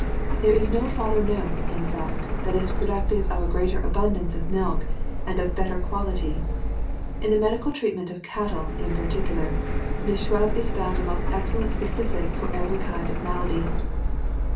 There is no fodder known, in fact, that is productive of a greater abundance of milk, and of better qua lity; in the medical treatment of cattle in particular, this shrub is found a most excellent specific for every kind of ma lady.